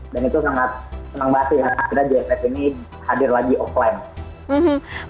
dan itu sangat senang banget ya akhirnya jff ini hadir lagi offline